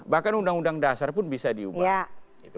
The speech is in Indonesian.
bahkan undang undang dasar pun bisa diubah